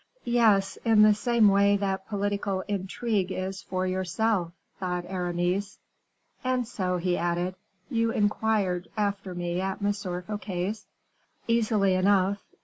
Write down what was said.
"Yes; in the same way that political intrigue is for yourself," thought Aramis. "And so," he added, "you inquired after me at M. Fouquet's?" "Easily enough.